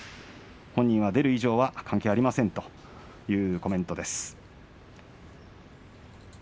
本人は出る以上は関係ありませんというコメントです。